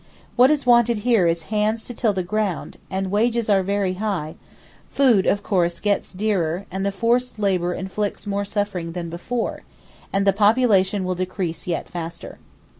What is wanted here is hands to till the ground, and wages are very high; food, of course, gets dearer, and the forced labour inflicts more suffering than before, and the population will decrease yet faster.